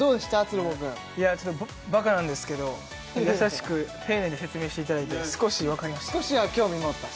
鶴房君いやちょっとバカなんですけど優しく丁寧に説明していただいて少し分かりました少しは興味持った？